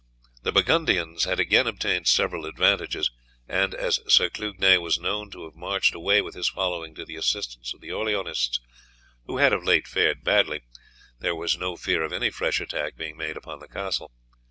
The Burgundians had again obtained several advantages, and as Sir Clugnet was known to have marched away with his following to the assistance of the Orleanists, who had of late fared badly, there was no fear of any fresh attack being made upon the castle.